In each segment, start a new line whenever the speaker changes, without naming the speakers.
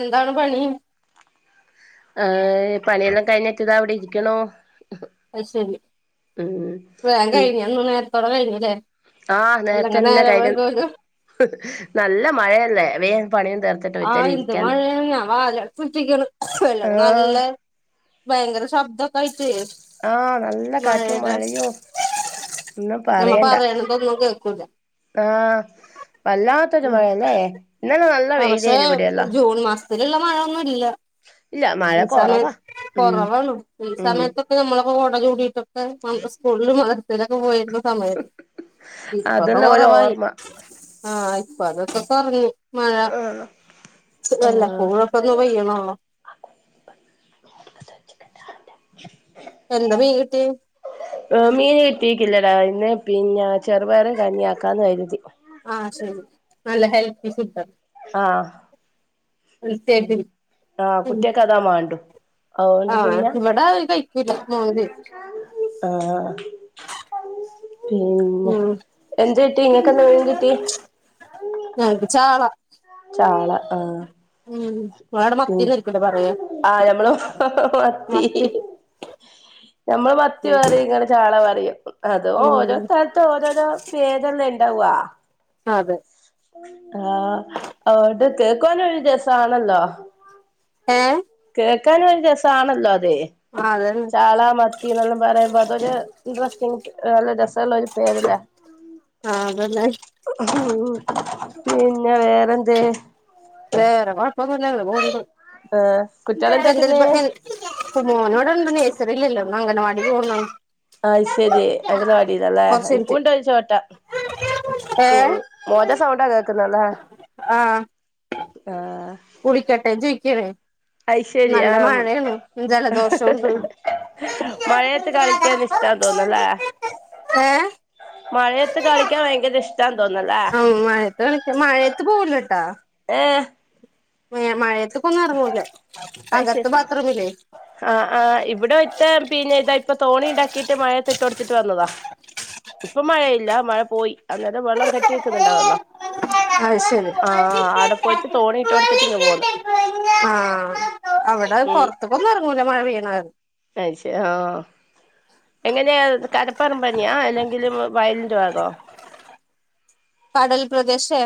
എന്താണ് പണി
ആഹ് പണിയെല്ലാം കഴിഞ്ഞിറ്റ്താ വിടെ ഇരിക്ണോ
അഹ് ശെരി വേൻ കഴിഞ് ന്ന് നേരത്തോടെ കഴിഞ്ഞല്ലേ
ആഹ്
എല്ലങ്ക
നേരത്തെന്നെ
നേരം
കഴിയും
വൈകോലോ
നല്ല മഴയല്ലേ വേഗം പണിയും തീർത്തിട്ട് മിറ്റല്
ആഹ് എന്ത്
ഇരിക്കാന്ന്
മഴഞാൻ വാല കുറ്റിക്കണ വെള്ളം
ആഹ്
നല്ല ഭയങ്കര ശബ്ദൊക്കെ ആയിട്ടെ
ആഹ് നല്ല കാറ്റും മഴയും ഒന്നും
നമ്മ
പറയണ്ട
പറയണതൊന്നും കേക്കൂല
ആഹ് വല്ലാത്തൊരു മഴയല്ലേ ഇന്നല്ലെ നല്ല വെയിലെന് വടെല്ലോ
ത്ല്ള്ള മഴൊന്നും ഇല്ല
ഇല്ല മഴ
ഈ
കൊറവാ
സമയത്ത്
ഉം
കുറവാണ് ഈ
ഉം
സമയത്തൊ ക്കെ നമ്മളൊക്കെ കോട ചൂടിട്ടൊക്കെ സ്കൂളിൽ മദർസലോക്കെ പോയ്രുന്നു സമയ ഇപ്പത
അതെല്ലാം ഒരു
കുറവായി
ഓർമ്മ
ആഹ് ഇപ്പതൊക്കെ കുറഞ് മഴ
ആഹ്
അല്ല
ആഹ്
പൂഴൊക്കെ ഒന്ന് പെയ്യണോല്ലോ
[inaudible]
ഏട്ന്നാ മീൻ കിട്ടി
മീൻ കിട്ടീക്കില്ലടാ ഇന്ന് പിന്നെ ചെറുപയറ് കഞ്ഞിയ ആക്കാന്ന് കരുതി
ആഹ് ശരി നല്ല ഹെൽത്തി ഫുഡ് ആന്
ആഹ്
ഹെൽത്തി ആയിട്ടിരിക്കും
ആഹ്
ഉം
[unintelligible] അതുകൊണ്ട്
ആഹ്
പിന്നെ
ഇവിടെ അത്കഴിക്കൂല
ആഹ്
[unintelligible]
പിന്നെ
ഉം
എന്ത് കിട്ടി ഇങ്ങക്കെന്താ മീൻ കിട്ടി
ഞങ്ങക്ക് ചാള
ചാള ആഹ്
ഉം നിങ്ങളവിടെ
ഉം
മത്തിന്നായിരിക്കുല്ലേ പറയാ
ആഹ് ഞമ്മള് മത്തി ഞമ്മള് മത്തി
ഉം
പറിയും ഇങ്ങള് ചാള പറയും അത് ഓരോ
ഉം
സ്ഥലത്ത് ഓരോരോ പേരല്ലേ ഉണ്ടാവാ
അതെ
ആഹ് അതുകൊണ്ട് കേക്കുവാനൊരു രസവാണല്ലോ
ഏഹ്
കേക്കാനും ഒരു രസവാണല്ലോ അതെ
ആഹ് അതന്നെ
ചാള മത്തി എന്നെല്ലാം പറയുമ്പോ അതൊരു ഇൻട്രസ്റ്റിങ് നല്ല രസവുള്ള ഒരു പേരല്ലേ
ആതന്നെ
പിന്നെ വേറെന്തേ
വേറെ കൊഴപ്പൊന്നല്ല ഇങ്ങനെ പോണണ്ട്
ആഹ് കുട്ട്യാള്
ഇപ്പം എന്തേലും
എന്താക്ക്ന്ന്
[unintelligible] മോൻ ഇവിടെ ഇണ്ട് നഴ്സറിയിൽ ഇല്ല ഇന്ന് അങ്കണവാടില് പോവുന്നുണ്ട്
അയ്ശെരി അങ്കണവാടിയിൽ അല്ലേ
കൊറച്ച്
എനിക്കു
മിനിറ്റ്
ഉണ്ടൊരു ചോട്ട ഉം
ഏഹ്
മോൻ്റെ സൗണ്ടാ കേക്കുന്നേ അല്ലെ ആഹ്
കുളിക്കട്ടെ ചോയിക്കാണേ
അയ്ശരി ആം
ജലദോഷോണ്ട്
മഴയത്ത് കളിക്കാൻ ഇഷ്ടാ തോന്നല്ലേ
ഏഹ്
മഴയത്ത് കളിക്കാൻ ഭയങ്കര ഇഷ്
മം മഴയത്ത് കളിക്ക മഴയത്ത് പോവുലട്ടാ
ഏ
മഴ മഴയത്തേക്ക് ഒന്നും ഇറങ്ങുലാ
അയ്
അകത്ത്
ശരി
ബാത്റൂമില്ലേ
ആഹ് ആഹ് ഇവിടെ ഒരുത്തൻ പിന്നെ ഇതാ ഇപ്പൊ തോണി ഉണ്ടാക്കിയിട്ട് മഴയത്തിട്ട് കൊടുത്തിട്ട് വന്നതാ ഇപ്പം മഴയില്ല മഴ പോയി അനേരം വെള്ളം കെട്ടി നിക്കുന്നുണ്ടാവുല്ലോ
അയ്ശരി
പോയിട്ട് തോണി ഇട്ട് കൊടുത്തിട്ട് ഇങ്ങ് പോന്ന്
ആഹ് അവിടെ പുറത്തക്ക് ഒന്നും ഇറങ്ങൂല മഴ പെയ്യണകാരണം
അയ് ശ ഓ എങ്ങനെയാ കടപ്പറമ്പ് തന്നെയാ അല്ലെങ്കില് വയലിൻ്റെ ഭാഗവോ
കടൽ പ്രദേശ്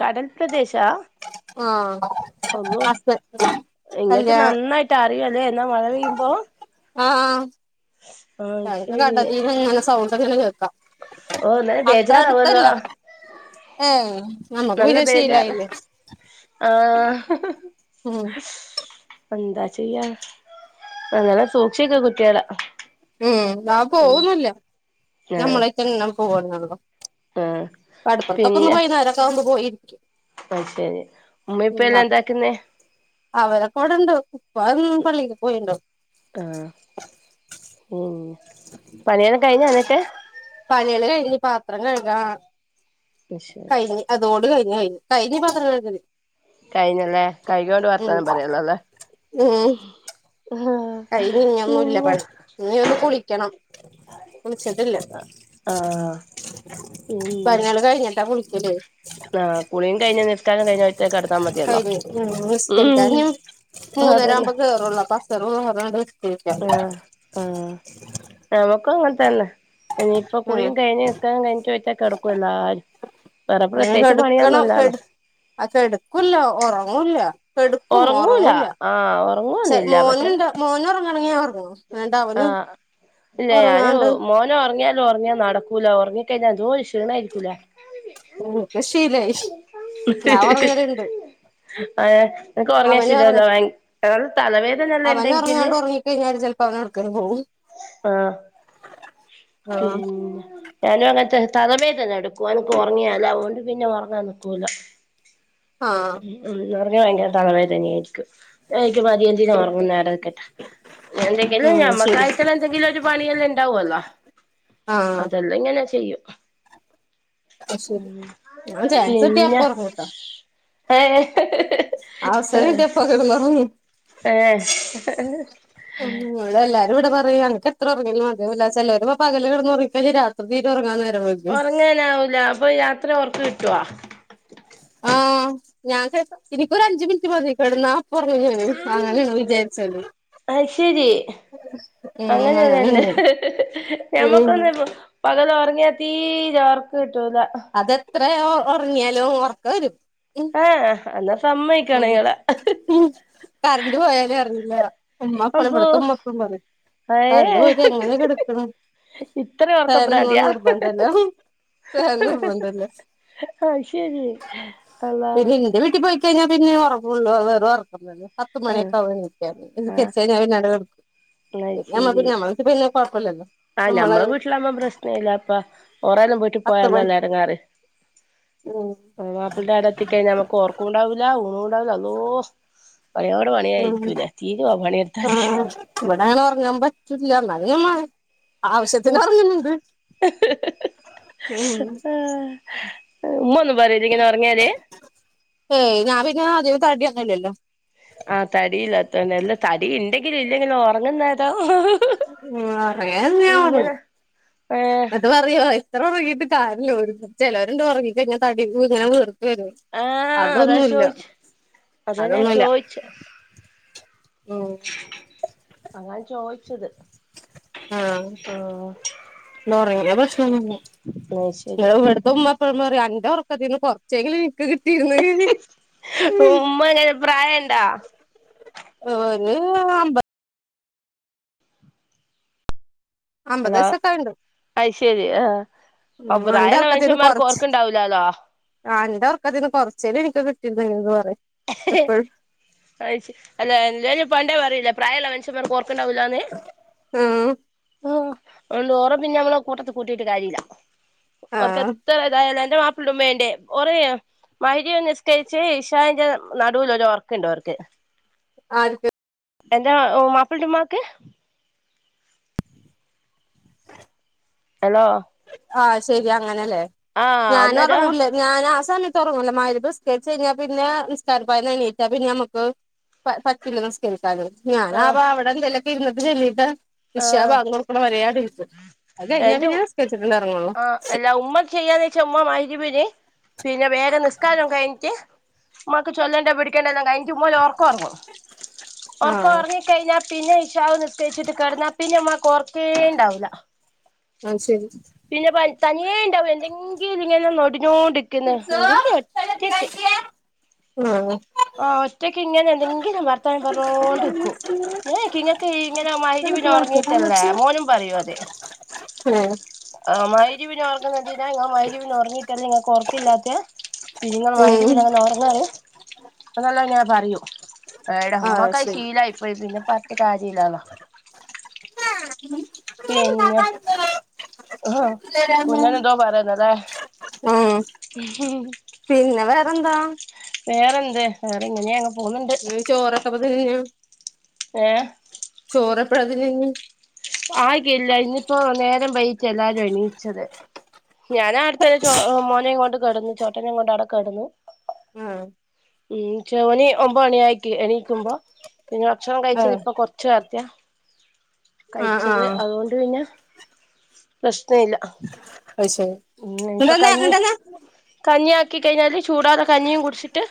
കടൽ പ്രദേശാ
ആഹ് [unintelligible] [inaudible]
നിങ്ങക്ക് നന്നായിട്ട് അറിയാല്ലേ എന്നാ മഴ പെയ്യുമ്പോ
ആ
ആഹ്
ഞങ്ങക്ക്
ശരി
കടലിന്ന് ഇങ്ങനെ സൗണ്ടൊക്കെ കേക്കാം
ഓ നല്ല
അത്ര
ബേജാറാവല്ലോ
അടുത്തല്ല ഏഹ് നമ്മുക്ക്
നല്ല
പിന്നെ
ബേജാർ
ശീലായില്ലേ
ആഹ്
ഉം
എന്താ ചെയ്യാ അങ്ങനെ സൂക്ഷിക്ക കുട്ടികളെ
ഉം ആ പോവോന്നും ഇല്ല
ആഹ്
നമ്മളെക്കെ [unintelligible] പോവനള്ളോ
ആഹ്
കടുപ്പുറത്തൊക്കെ ഒന്ന് പോയി വൈകുന്നേരമൊക്കെ ആവുമ്പോ പോയിരിക്കാം
അയ്ശരി ഉമ്മ ഇപ്പ എല്ലാം എന്താക്കുന്നെ
അവരൊക്കെ ഇവട് ണ്ട് ഉപ്പ ഇന്ന് പള്ളിക ക്ക് പൊയ്ട്ടു ണ്ട്.
ആ, മ് പണിയൊക്കെ കഴിഞ്ഞോ എന്നിട്ട്?
പണികള് കഴിഞ്ഞ് പാത്രം കഴുകാ
അത് ശരി
കഴിഞ്ഞ് അതോട് കഴിഞ്ഞുകഴിഞ്ഞ് കഴിഞ്ഞ് പാത്രം കഴുകല്.
കഴിഞ്ഞലേ കഴിഞ്ഞോണ്ട്
ഉം
വർത്താനം പറയാല്ലോ അല്ലേ
ഉം കഴിഞ്ഞ് ഇനി ഒന്നുല്ല
പിന്നെ
പണി ഇനി ഒന്ന് കുളിക്കണം കുളിച്ചട്ടില്ല.
ആഹ്
പണികള് കഴിഞ്ഞട്ടാ കുളിക്കൽ
ആകുളിയും കഴിഞ്ഞ നിസ്കാരം കഴിഞ്ഞ ഒറ്റ കിടത്തം മതിയല്ലോ. ഉം
മൂന്നേര
അതന്നെ
ആകുമ്പോ കേറൂ ള്ളൂ അപ്പ അസറും, ളുഹു ർ നിസ്കരിച്ചാണ്ട്.
ആ, ഞമ്മ ക്കും അങ്ങൻത്തന്നെ. ഇനീ
ഉം
ഇപ്പൊകുളിയും കഴിഞ്ഞഞ് നിസ്കാരം കഴിഞ്ഞചോയിച്ച കിടക്കഎല്ലാരും. വേറെ
കെ
പ്രത്യേകിച്ച്
ടുക്കണം
പണിയൊന്നുമില്ലല്ലോ
ആകിടപ്പില്ല ഉറങ്ങു ല്ല. കെ ടക്കും
ഉറങ്ങൂല
ഉറങ്ങുല,
ആഹ്
ചെ
ഉറങ്ങുവൊന്നുമില്ല
മോനുറങ്ങാണെകിൽ ഞാൻ ഉറങ്ങും.
ആ, ഇല്ല ഞാന്
ഒറങ്ങാണ്ട്
മോന് ന ഉറങ്ങിയാലോ, ഉറങ്ങാ നടക്കൂല ഉറങ്ങിക്കഴിഞ്ഞാൽ എന്തഒര് ക്ഷീണമായിരിക്കൂലേ.
എനക്ക് ശീലായി ഞാൻ ഉറങ്ങലുണ്ട്.
ആ നിനക്ക് ഉറങ്ങശതല്ലോ വൾ [unintelligible] തലവേദന
അവൻ ഉറങ്ങിണ്ട് ഉറങ്ങി കഴിഞ്ഞാല് ചിലപ്പോ അവന് എവിടെകേക്കിലും പോകും.
ആ,
ആഹ്
പിന്നെ ഞാനും അങ്ങനെതന്നേ, തലവേദന എടുക്കും എനക്ക് ഉറങ്ങിയല്അതുകൊണ്ട് പിന്നെ ഉറങ്ങാൻ നിക്കുല.
ആ.
ഉം ഉറങ്ങിയാൽ ഭയങ്കര തലവേദന ആയിരിക്കും. [unintelligible] മതിയന്തിന ഉറങ്ങുന്നേ അവിടെ നിക്കട്ടേ. എന്തെങ്കിലും
ഉം ശരി
ഞമ്മക്കായട്ടൽ എന്തെങ്കിലും ഒരു പണിയെല്ലാം ഉണ്ടാവല്ലോ
ആഹ്
അതല ഇ ങ്ങനെ ചെയ്യും.
അത് ശരി ഞാൻ ചാൻസ് കിട്ടിയ
പിന്നാ
അപ്പൊ ഒറങ്ങുട്ടോ
ഏ
അവസരം കിട്ടിയ അപ്പൊ കെടന്നൊറങ്ങും
ഏഹ് എ.
ഉ [unintelligible] ഇവടെ എല്ലാരും ഇവിടെ പറയും അനക്ക് എത്ര ഉറങ്ങിയാലും മതിയാവൂല ചിലര് പകല് കിടന്നുറങ്ങി കയിഞാൽ രാത്രി തീരെ ഉറങ്ങാന് നേരം വെകും.
ഉറങ്ങാനാവൂല അപ്പോ രാത്രി ഉറക്ക് കിട്ടുവോ?
ആ, ഞാൻ എനിക്കൊ ഒരു അഞ്ച് മിനിറ്റ് മതി കിടന്നാ ഇപ്പോഉറങ്ങാണ് അങ്ങനെഅണ് വിചാരിച്ചത്.
ആ ഹ്, ശരി
ഉം
അങ്ങനെയ
അങ്ങനെയാണ്
അന്റെ എ
ഞാൻ
ഹ് എ ഹ്
ഉം
ഞമ്മക്കൊന്ന് പകല ഉറങ്ങിയാ തീരെ ഉറക്ക് കിട്ടൂല.
അതെത്ര ഉറങ്ങിയാലും ഉർക്ക വരും. ഉ
ഏഹ് എന്നാ സമ്മയിക്കണം ഇങ്ങള്
കറന്റ് പോയാലും അറിയില്ല. ഉമ്മ എ പ്പളും,
അള്ളോ
ഇവിടുത്തെ ഉമ്മ എ പ്പളും പറയും.
അയേ
കരണ്ട് പോയിട്ട എങ്ങനെ കെടുക്കണ്
ഇത്ര
ഫാനാനൊന്നും
ഒറക്കഭ്രാന്തിയാ
നിർബന്ധല്ല ഉം. ഫാൻ നിർബന്ധല്ലേ?
അത് ശരി അള്ളാ
പിന്നെ എന്റെ വീട്ടിൽ പോയി കഴിഞ്ഞാ പിന്നെ ഉറങ്ങള്ളൂ. അത് വെറും ഉറക്കം തന്നേ പത്ത്
ആഹ്
മണിയൊക്കെ ആകും നിക്കാന് പിന്നെ
ആഹ്
നിസ്കരിച്ചാൽ പിന്നെ അവിടെ കിടക്കും. പിന്നേ ഞമ്മക്ക് ഞമ്മളെ പിന്നേ കുഴപ്പില്ലല്ലോ
ആ, ഞമ്മ ളെവീട്ടില ആകുമ്പോപ്രശ്നം അല്ല ഇപ്പോ കുറേ വിട്ട് ഇട്ട
പത്ത്
പോയൽ
മണി
അല്ലെ ഇട ങ്ങാറ്.
ഉം
അ മാപ്പിളന്റെ അവിടെ എ ത്തിക്കഴിഞ്ഞാൽ നമുക്ക് ഉറക്കം ഉണ്ടാവു ലാ, ഊണും ഉണ്ടാവില്ല ആളുയോ. പണിയോട്
ഉം
പണിയായിരിക്കും ലേ, തിരോ
ആ
പണിയെടുത്താല്.
ഇവിടെ അങ്ങനെ ഉറങ്ങാൻ പറ്റില്ല. [unintelligible] ആവശ്യത്തിന് ഉറങ്ങാണ്ട് ഉം.
ഉമ്മ ഒന്നും പറയില്ലേ ഇങ്ങനെ ഉറങ്ങിയാൽ
ഏയ് ഞാ പിന്നെ അധികം തടി ഒന്നുമില്ലലോ.
ആഹ് തടിയില്ലാത്തന്നെ അല്ല തടി ഉണ്ടെങ്കിലും ഇല്ലെങ്കിലും ഒറങ്ങുന്നെരം
ഉം അറന്ന
ഏ
അ [unintelligible] അറിയോ എത്ര ഒറങ്ങിയിട്ട് കാര്യല്ല ഒരു ചെലൊരുണ്ട് ഒറങ്ങി കയ്ഞ്ഞാല് തടി കൂടി ഇങ്ങനെ വീർ
ആ അതാ
അതൊന്നുല്ല
ചോയിച്ചെ
അതൊന്നുമല്ല
അങ്ങാനെ ചോദിച്ചത്
ആഹ് നോറങ്ങിയ പ്രശ്നൊന്നുല്ല
അത് ശരി
ഇവിട്ത്ത ഉമ്മ ഇപ്പ റിയും അൻ്റെ ഒറക്കത്തീന്ന് കൊറച്ചെങ്കിലും ക്ക് കിട്ടിയിരു
ഉമ്മഎങ്ങനെ പ്രായണ്ടോ?
ഒര് അമ്പത് അമ്പത്
ഹലോ
വയസൊക്കെ ആയിണ്ട്.
അത് ശരി ആ ആ
ഉം അന്റെ
പ്രായള്ള
ഒറക്കത്തീന്ന്
മനുഷ്യന്മാർക്ക്
കൊർച്ച്
ഓർക്കുണ്ടാവൂലാലോ അത്
ആഹ് അന്റെഒർകത്തീന്ന് കൊർചെങ്കിലും എനിക്ക് കിട്ടിയിരുന്നെൽ പറിയിം
അഹ്ശെരി അല്ല എല്ലാരും പ്പാന്റെ പറയില്ല പ്രായള്ള മനുഷ്യൻമാർക്ക് ഒർകണ്ടാവൂലന്ന്
ഉം
അതൊണ്ട് ഓറെപിന്നെ ഞമ്മള് കൂട്ടത്ത് കൂട്ടിയിട്ട് കാര്യല്ല്യാ ഓർക്ക്
ആഹ്
ത് ഏതായാലും അന്റെമാപ്ലന്റെ ഉമ്മന്റെ ഓർ മഗ്‌രിബ് നിസ്കരിച്ച് ഇഷാഹ്ന്റെ ന്നടൂലൊരു ഒർക്ക്ണ്ട് ഓർക്ക്.
ആര്ക്ക്
എനന്റെ ഓഹ് മാപ്ലാന്റെഉമ്മാക്ക് ഹെലോ
ആഹ്
ആഹ്
ശെരിഅങ്ങനെല്ലേഞാന്
അന്നേരം
ഒർങ്ങൂലേ ഞാനാ സമയത്ത്ഒർങ്ങൂല മഗ്‌രിബ് നിസ്‌ക്കരിച്ച്കഴിഞ്ഞാ പിന്നെനിസ്‌ക്കരപയീന്ന് എണീറ്റാ പിന്നെ അമ്മക്ക് പ പറ്റില്ല നിസ്കരിക്കാന്
ആഹ്
ഞാനാപ്പ അവടെ എന്തേലൊക്കെഇര്ന്നിട്ട് ചെല്ലിട്ട്
ആഹ്
ഇശാബാങ്ക് കൊടുക്ക്ണവെരെഇര്ന്ന് അത്കയ്ഞാ
എന്റെ
പിന്നെനിസ്‌ക്കരിച്ചിട്ട എറങ്ങൊള്ളൂ.
ആഹ് എല്ലാഉമ്മ ചെയ്യാന്ന് വെച്ചഉമ്മ മഹ്രിബ്ന് പിന്നെവേഗം നിസ്കാരം കയ്ഞ്ഞിട്ട് ഉമ്മാക്ക് ചൊല്ലേണ്ടേപിടിക്കേണ്ടല്ലാം കഴിഞ്ഞിട്ട്ഉമ്മ ഒര്ഒർക്കം ഒർങ്ങും
ആഹ്
ഓർക്കംഒർങ്ങീട്ട് കയ്ഞ്ഞാൽ പിന്നെ ഇഷാഹ്നിസ്‌ക്കരിച്ച്ട്ട് കെടന്നാ പിന്നെ ഉമ്മാക്ക്ഓർക്കേണ്ടാവൂല.
ആത് ശെരി.
പിന്നെ പ തനിയേ ഉണ്ടാവും എന്തെങ്കിലും ഇങ്ങനെ നൊടിഞ്ഞോണ്ടിക്കണ്
ആഹ്
അല്ലെങ്കി ഒറ്റക്ക്
ആഹ്
ആഹ് ഒറ്റയ്ക്ക്ഇങ്ങനെ എന്തെങ്കിലും ഭർത്താനം പറഞ്ഞോണ്ട്നിക്കും. ഞാഒയ്ക്കും ഇങ്ങക്ക് ഇങ്ങനെമഗ്‌രിബിന് ഇങ്ങനെഒർങ്ങീട്ടല്ലേ മോനുംപറയും അത്
ഹേ
ആഹ് മഗ്‌രിബിന് ഒറങ്ങുന്നതെന്തിനാ ഇങ്ങൾ മഗ്‌രിബിന് ഒർങ്ങിയിട്ടല്ലേ ഇങ്ങക്ക് ഒർക്കില്ലാത്തെ ങ്ങള് മഗ്‌രിബ്ന്
ഉം
കെടന്നൊറങ്ങാൻ അതെല്ലാ ഞാൻ പറയൂ
ആഹ്
ഏടെഉമ്മഹ്
ശരി
ശീലയിപ്പോയി പിന്നെപ്പോ പറഞ്ഞിട്ട് കാര്യല്ലല്ലോ. പിന്നെഹാ കുഞ്ഞോൻ എന്തോ പറയുന്ന്ലേ [unintelligible]
പിന്നെവേറെന്താ?
വേറെന്ത് വേറെഇങ്ങനെയ
ന്ന് ചോറൊക്കെപ്പോ തന്നെയാ
ഏഹ്
ചോറെപ്പയാതിന്നാഞ്ഞി
ആകില്ല ഇന്ന്പ്പോ നേരം വൈകീട്ട എല്ലാരും എണീച്ചത് ഞാനാ അടുതെന്നെ ചോ മോനെയും കൊണ്ട് കെട്ന്നു ചോട്ടനെയും കൊണ്ട് അവിടെകെട്ന്നു.
ആഹ്
ഉം ചവണി ഒമ്പണി ആയിറ്റ് എണീക്കുമ്പോ പിന്നെ ഭക്ഷണം കഴിച്ചതി
ആഹ്
ഇപ്പൊ കൊറച്ചു നാർത്തയ
ആഹ്
കയ്ച്ചത്
ആഹ്
അതോണ്ട് പിന്നെപ്രശ്നഇല്ല
അഹ് ശെരി ഇങ്ങട്ട്വന്നേ ഇങ്ങട്ടവന്നെ
കഞ്ഞിആക്കി കയ്ഞ്ഞാല്ചൂടാതെ കഞ്ഞിയുംകുട്ച്ചിട്ട്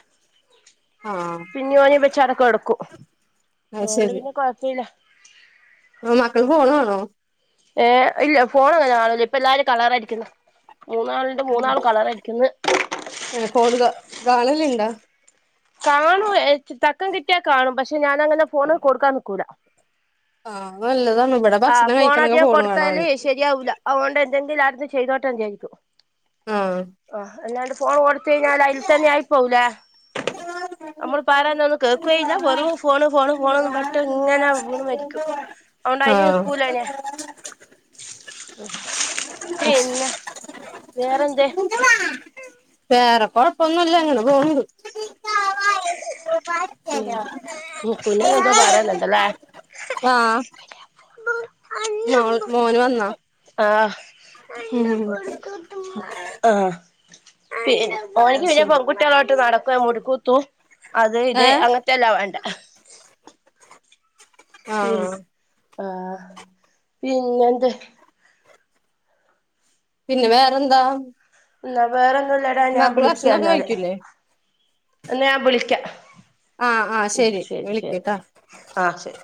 ആഹ്
പിന്നിംഓനെ വെച്ചാണ്ട് കെടക്കും
അത്
അഹൊണ്ട് പിന്നെകൊഴപ്പല്ല
ഉം മക്കൾഫോണാണോ?
ഏ ഇല്ല ഫോണ്അങ്ങനെകാണല ഇപ്പല്ലാരും കളറടിക്ക്ന്ന. മൂന്നാൾണ്ട് മൂന്നാളും കളർടിക്ക്ന്ന്.
ഹേ ഫോൺ ക കാണാല്ണ്ടോ?
കാണും എ തക്കംകിട്ട്യാകാണും പക്ഷെ ഞാാനങ്ങനെ ഫോണ് കൊട്ക്കാൻനിക്കൂല.
ആഹ് അത് ന്നല്ലെതാണ്ഇവ
ആ ഫോൺ അധികം കൊടുത്താല് ശരിയാവൂല്ല അതുകൊണ്ട് എന്തെങ്കിലും അവ്ട്ന്ന് ചെയ്തോട്ടെ വിചാരിക്കും.
ആഹ്
ആ അല്ലാണ്ട് ഫോൺ കൊട്ത്ത യ്ഞ്ഞാല് അയ്ൽ തന്നെ ആയി പോലേ. അമ്മള് പറന്ന ഒന്നും കേക്കൊയില്ലവെറും ഫോണ് ഫോണ് ഫോണന്നും പറട്ട് ഇങ്ങനെ വീണ് മരിക്കും. അഓണ്ട് അയ്ന്
ആഹ്
നിക്കൂലനാ പിന്നെ വേറെന്തെ?
വേറെ കൊഴപ്പൊന്നുല്ല അങ്ങനെ പോവ്ണ്ട്. [inaudible]
പി പിളേരന്തോ പറയ്ന്ന്ണ്ടല്ലേ? [unintelligible]
മോ മോന് വന്നാ.
ആഹ്
ഉം
ആഹ് പി ഓനിക്ക്
അത്
പിന്നെ
ശരി
പെൺകുട്ട്യാളോട്ട് നടക്ക മുടിക്കൂത്തും അത് ഇത്
ഏഹ്
അങ്ങൻത്തല്ലാം വേണ്ടെ.
ആഹ്
പിസ് ആ പിന്നെന്ത്?
പിന്നെ വേറെന്താ?
എന്നാ വേറെന്നുംല്ലടാ ഞാൻ
മക്കള്
വിളിക്യാ
ഭക്ഷണൊക്കെ
എന്നാല്
കഴിക്കൂലേ
എന്നാ ഞാൻ വിളിക്ക്യാ.
ആഹ് ആഹ് ശരി വിളിക്ക്ട്ടാ.
ആഹ് ശെരി.